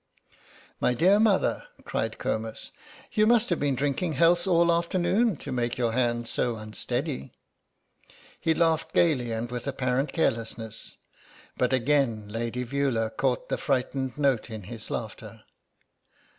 "My dear mother," cried Comus, "you must have been drinking healths all the afternoon to make your hand so unsteady." He laughed gaily and with apparent carelessness, but again Lady Veula caught the frightened note in his laughter.